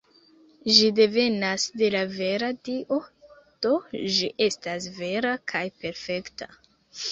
Ĝi devenas de la vera Dio, do ĝi estas vera kaj perfekta.